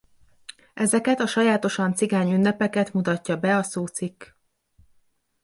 Ezeket a sajátosan cigány ünnepeket mutatja be a szócikk.